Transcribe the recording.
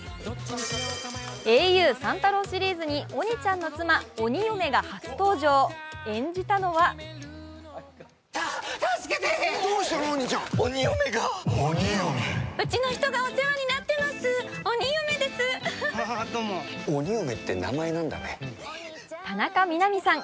ａｕ三太郎シリーズに鬼ちゃんの妻鬼嫁が初登場、演じたのは田中みな実さん。